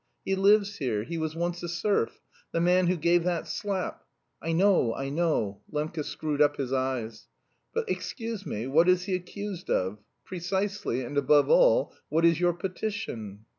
He lives here, he was once a serf, the man who gave that slap...." "I know, I know." Lembke screwed up his eyes. "But excuse me, what is he accused of? Precisely and, above all, what is your petition?"